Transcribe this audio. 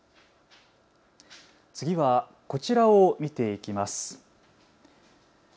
次はこちらを見ていきます。